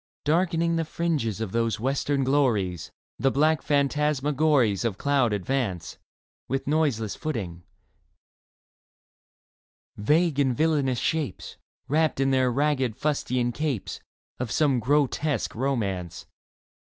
Darkening the fringes of these western glories The black phantasmagories Of cloud advance With noiseless footing — vague and villainous shapes, Wrapped in their ragged fustian capes, Of some grotesque romance.